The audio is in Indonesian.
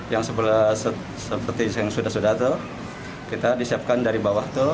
yang sebelah seperti yang sudah sudah tuh kita disiapkan dari bawah tuh